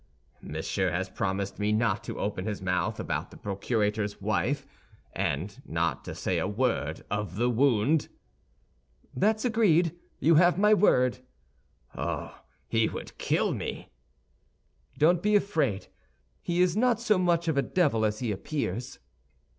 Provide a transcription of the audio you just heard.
"Monsieur has promised me not to open his mouth about the procurator's wife, and not to say a word of the wound?" "That's agreed; you have my word." "Oh, he would kill me!" "Don't be afraid; he is not so much of a devil as he appears."